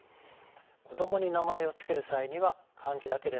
子供に名前を付ける際には漢字だけでなく平仮名